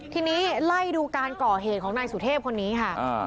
ทีนี้ไล่ดูการก่อเหตุของนายสุเทพคนนี้ค่ะ